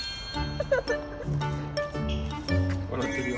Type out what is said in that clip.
笑ってるよ。